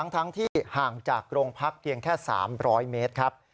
ทั้งที่ห่างจากโรงพักเพียงแค่๓๐๐เมตรครับ